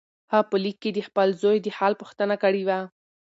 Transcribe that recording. هغه په لیک کې د خپل زوی د حال پوښتنه کړې وه.